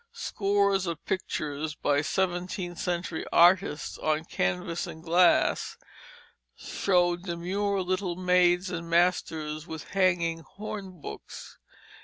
Scores of pictures by seventeenth century artists on canvas and glass show demure little maids and masters with hanging hornbooks.